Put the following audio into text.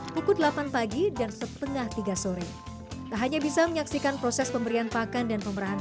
pukul delapan pagi dan setengah tiga sore tak hanya bisa menyaksikan proses pemberian pakan dan pemerahan